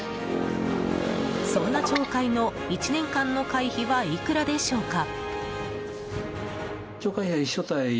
そんな町会の１年間の会費はいくらでしょうか。